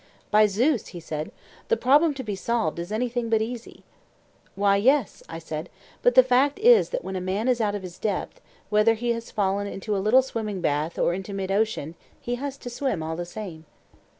By Zeus, he said, the problem to be solved is anything but easy. Why yes, I said, but the fact is that when a man is out of his depth, whether he has fallen into a little swimming bath or into mid ocean, he has to swim all the same.